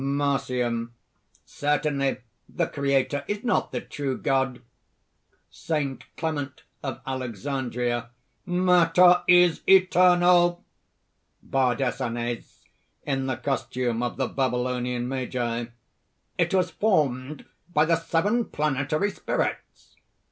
MARCION. "Certainly, the Creator is not the true God!" SAINT CLEMENT OF ALEXANDRIA. "Matter is eternal!" BARDESANES (in the costume of the Babylonian magi). "It was formed by the Seven Planetary Spirits."